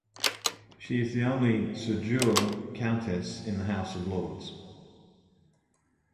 She is the only "suo jure" countess in the House of Lords.